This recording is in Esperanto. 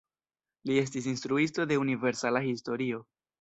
Li estis instruisto de universala historio.